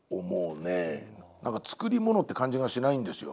作り物って感じがしないんですよ。